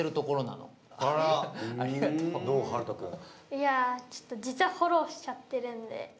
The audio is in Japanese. いや実はフォローしちゃってるんで。